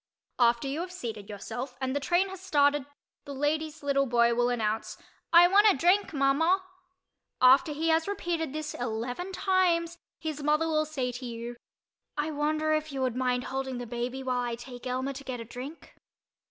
After you have seated yourself and the train has started the lady's little boy will announce, "I want a drink, Mama." After he has repeated this eleven times his mother will say to you "I wonder if you would mind holding the baby while I take Elmer to get a drink?"